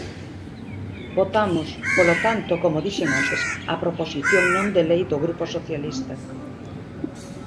Votamos, polo tanto, como dixen antes, a proposición non de lei do Grupo Socialista.